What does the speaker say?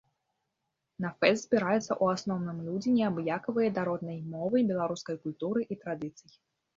На фэст збіраюцца ў асноўным людзі неабыякавыя да роднай мовы, беларускай культуры і традыцый.